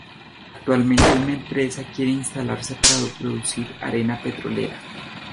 Actualmente, una empresa quiere instalarse para producir arena petrolera.